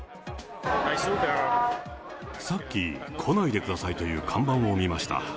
さっき、来ないでくださいという看板を見ました。